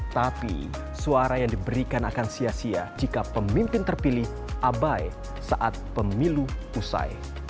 tapi suara yang diberikan akan sia sia jika pemimpin terpilih abai saat pemilu usai